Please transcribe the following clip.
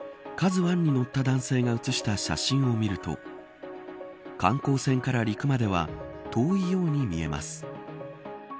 １に乗った男性が写した写真を見ると観光船から陸までは遠いように見えます。